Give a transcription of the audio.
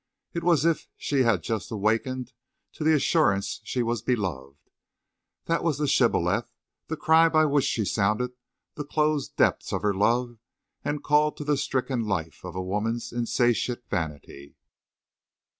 It was as if she had just awakened to the assurance she was beloved. That was the shibboleth—the cry by which she sounded the closed depths of her love and called to the stricken life of a woman's insatiate vanity.